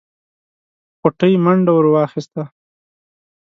غوټۍ منډه ور واخيسته.